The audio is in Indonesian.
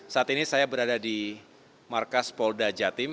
saat ini saya berada di markas polda jatim